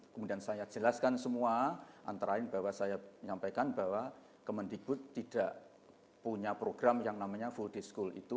kemudian saya jelaskan semua antara lain bahwa saya menyampaikan bahwa kemendikbud tidak punya program yang namanya full day school itu